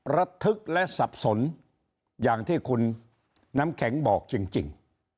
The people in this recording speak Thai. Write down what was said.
ระทึกและสับสนอย่างที่คุณน้ำแข็งบอกจริง